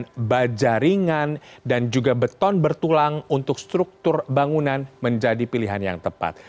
dan juga batu batu yang berbentuk yang ringan dan juga baton bertulang untuk struktur bangunan menjadi pilihan yang tepat